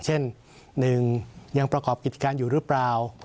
เช่น๑ยังประกอบกิจการอยู่หรือเปล่า